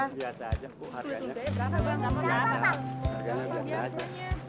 masa belum pulang pak